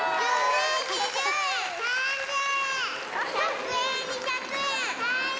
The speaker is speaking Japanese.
１００円２００円。